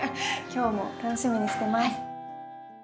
今日も楽しみにしてます。